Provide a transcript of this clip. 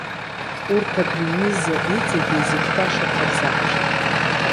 Урҭ, абри аҩыза иҵегьы изықәтәашақәа рзаҳшеит.